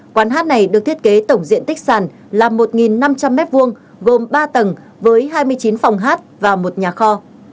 quán hát này được thiết kế tổng diện tích sàn là một năm trăm linh m hai gồm ba tầng với hai mươi chín phòng hát và một nhà kho